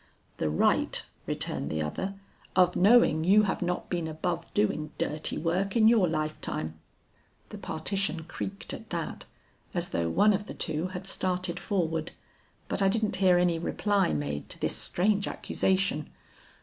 'The right,' returned the other, 'of knowing you have not been above doing dirty work in your life time.' The partition creaked at that, as though one of the two had started forward, but I didn't hear any reply made to this strange accusation.